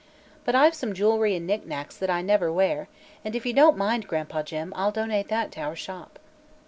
But I've some jewelry and knickknacks that I never wear and, if you don't mind, Gran'pa Jim, I'll donate that to our shop."